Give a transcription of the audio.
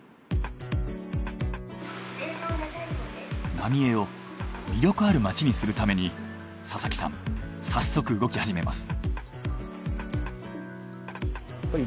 浪江を魅力ある町にするために佐々木さん早速動き始めます。